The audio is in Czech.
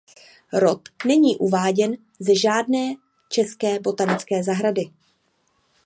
Rod není uváděn ze žádné české botanické zahrady.